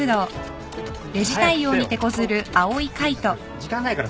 時間ないからさ。